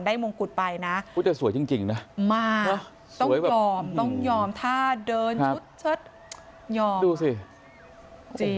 ได้มงกุฎไปนะสวยจริงนะมากต้องยอมต้องยอมถ้าเดินยอมดูสิ